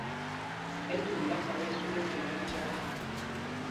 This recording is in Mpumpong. Ɓɛ tumb lámba tí ɛsu lɛ ɛkwonɛl njāā.